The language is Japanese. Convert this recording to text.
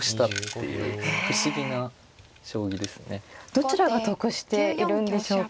どちらが得しているんでしょうか。